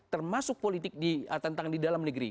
termasuk politik di tantangan di dalam negeri